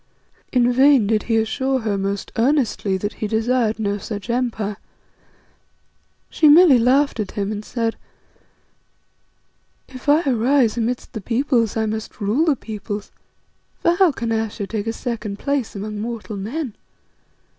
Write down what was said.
In vain did he assure her most earnestly that he desired no such empire. She merely laughed at him and said "If I arise amidst the Peoples, I must rule the Peoples, for how can Ayesha take a second place among mortal men?